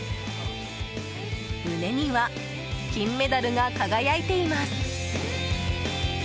胸には金メダルが輝いています。